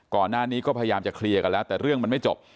ก่อนหน้านี้ก็พยายามจะเคลียร์กันแล้วแต่เรื่องมันไม่จบ